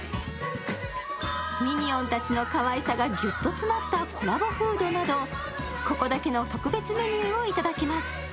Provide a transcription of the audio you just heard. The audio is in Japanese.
ミニオンたちのかわいさがギュッと詰まったコラボフードなどここだけの特別メニューをいただけます。